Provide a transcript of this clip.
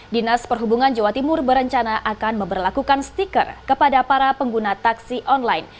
dinas perhubungan jawa timur berencana akan memperlakukan stiker kepada para pengguna taksi online